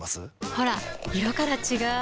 ほら色から違う！